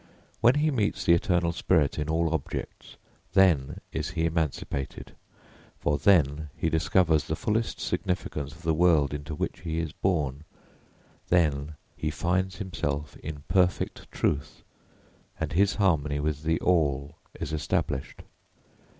When he meets the eternal spirit in all objects, then is he emancipated, for then he discovers the fullest significance of the world into which he is born; then he finds himself in perfect truth, and his harmony with the all is established.